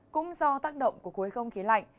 cũng do tác động của khối không khí lạnh